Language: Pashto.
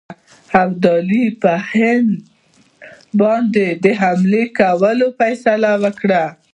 ابدالي پر هند باندي د حملې کولو فیصله وکړه.